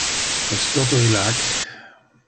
Es toto illac?